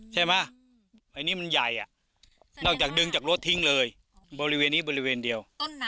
ใช่ไหมอันนี้มันใหญ่นอกจากดึงจากรถทิ้งเลยบริเวณนี้บริเวณเดียว